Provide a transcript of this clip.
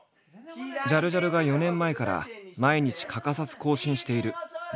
ジャルジャルが４年前から毎日欠かさず更新しているＹｏｕＴｕｂｅ。